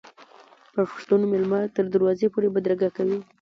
پښتون میلمه تر دروازې پورې بدرګه کوي.